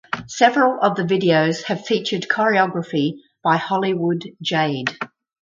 Several of the videos have featured choreography by Hollywood Jade.